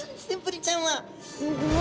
すごい。